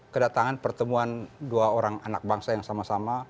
kedatangan pertemuan dua orang anak bangsa yang sama sama